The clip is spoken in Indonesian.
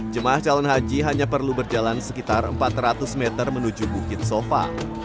jemaah calon haji hanya perlu berjalan sekitar empat ratus meter menuju bukit sofa